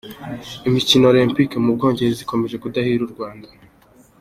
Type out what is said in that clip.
Imikino Olempike Mubwongereza ikomeje kudahira u Rwanda